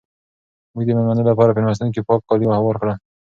موږ د مېلمنو لپاره په مېلمستون کې پاک کالي هوار کړل.